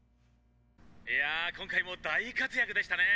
「いや今回も大活躍でしたね！」